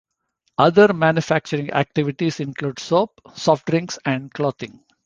Other manufacturing activities include soap, soft drinks, and clothing.